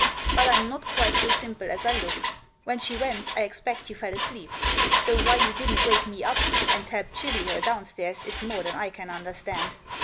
But I'm not quite so simple as I look. When sfce went I ekpect you fell asleep, though why you didn't wake me up, and help chivy her downstairs, is more than I can understand.